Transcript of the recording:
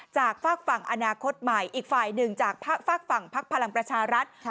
ฝากฝั่งอนาคตใหม่อีกฝ่ายหนึ่งจากฝากฝั่งพักพลังประชารัฐ